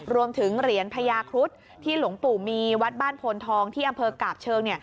รวมถึงเหรียญพญาครุฑที่หลวงปู่มีวัดบ้านโพนทองที่อำเภอกาบเชิง